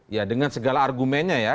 ya dengan segala argumennya ya